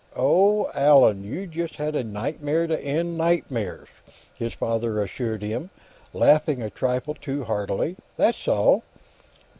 "Oh, Allan, you just had a nightmare to end nightmares!" his father assured him, laughing a trifle too heartily. "That's all!"